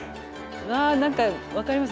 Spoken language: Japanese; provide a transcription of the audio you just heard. わ何か分かります。